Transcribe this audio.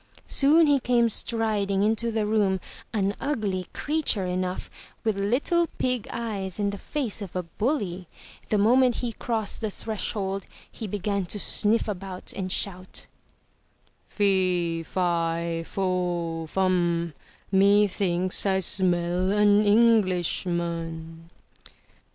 Soon he came striding into the room, an ugly creature enough, with little pig eyes and the face of a bully. The moment he crossed the threshold, he began to sniff about and shout: 378 UP ONE PAIR OF STAIRS 'Tee Fi Fo Fum, Methinks I smell an Englishman!''